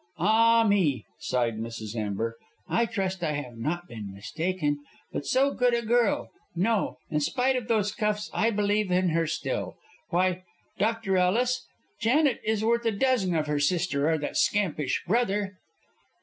Ah, me," sighed Mrs. Amber, "I trust I have not been mistaken. But so good a girl! No! in spite of those cuffs I believe in her still. Why, Dr. Ellis, Janet is worth a dozen of her sister or that scampish brother."